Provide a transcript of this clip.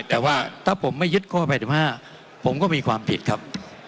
แต่ว่าถ้าผมไม่ยึดข้อ๘๕ผมก็มีความผิดครับ